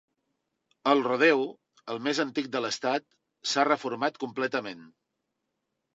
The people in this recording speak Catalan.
El rodeo, el més antic de l "estat, s"ha reformat completament.